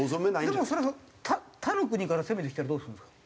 でもそれ他の国から攻めてきたらどうするんですか？